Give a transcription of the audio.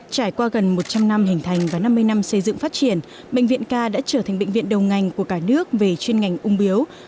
trải qua gần một trăm linh năm hình thành và năm mươi năm xây dựng phát triển bệnh viện k đã trở thành bệnh viện đầu ngành của cả nước về chuyên ngành ung biếu